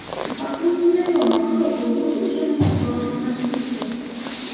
Пакуль невядома, хто быў выключаны з чорнага спісу.